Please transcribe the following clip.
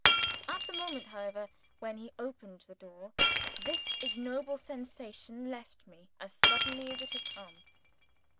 At the moment, however, when he opened the door, this ignoble sensation left me as suddenly as it had come.